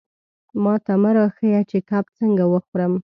ماته مه را ښیه چې کب څنګه وخورم.